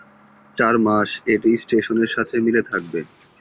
চার মাস এটি স্টেশনের সাথে মিলে থাকবে।